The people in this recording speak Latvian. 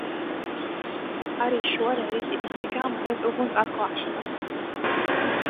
Arī šo reizi iztikām bez uguns atklāšanas.